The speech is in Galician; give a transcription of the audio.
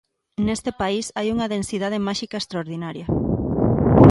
Neste país hai unha densidade máxica extraordinaria.